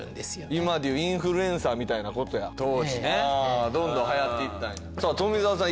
今でいうインフルエンサーみたいなことや当時ねどんどんはやっていったんや富澤さん